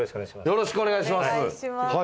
よろしくお願いします。